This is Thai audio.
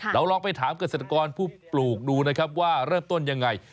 เราลองไปถามเกษตรกรผู้ปลูกดูนะครับว่าเริ่มต้นยังไง